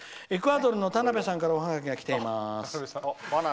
エクアドルの田邊さんからおハガキがきてます。